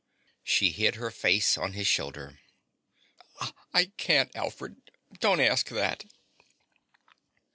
She hid her face on his shoulder. "I can't, Alfred. Don't ask that."